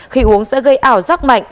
khi uống sẽ gây ảo giác mạnh